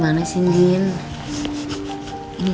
din kamu dimana